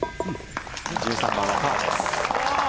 １３番はパーです。